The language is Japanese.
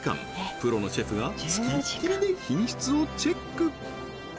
プロのシェフが付きっきりで品質をチェック